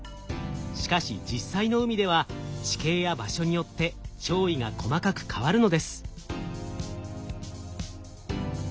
しかし実際の海では地形や場所によって潮位が細かく変わるのです。